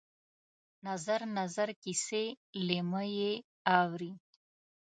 نظر، نظر کسي لېمه یې اورې